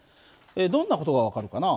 どんな事が分かるかな？